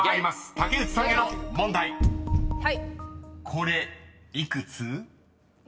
［これ幾つ？］